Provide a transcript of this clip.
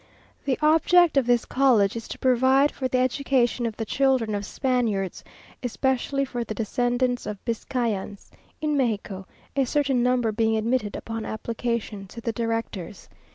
The object of this college is to provide for the education of the children of Spaniards, especially for the descendants of Biscayans, in Mexico; a certain number being admitted upon application to the directors.